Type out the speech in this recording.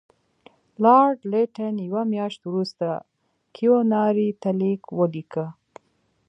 لارډ لیټن یوه میاشت وروسته کیوناري ته لیک ولیکه.